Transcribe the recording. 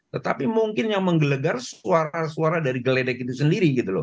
tetapi mungkin yang menggelegar suara suara dari geledek itu sendiri gitu loh